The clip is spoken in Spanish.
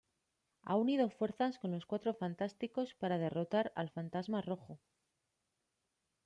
Ha unido fuerzas con los Cuatro Fantásticos para derrotar al Fantasma Rojo.